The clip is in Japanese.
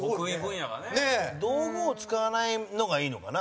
山崎：道具を使わないのがいいのかな。